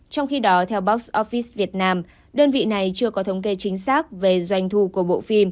trong khi đó theo box office việt nam đơn vị này chưa có thống kê chính xác về doanh thu của bộ phim